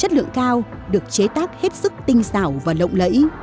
chất lượng cao được chế tác hết sức tinh xảo và lộng lẫy